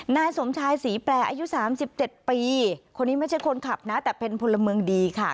นายสมชายศรีแปรอายุสามสิบเจ็ดปีคนนี้ไม่ใช่คนขับนะแต่เป็นพลเมืองดีค่ะ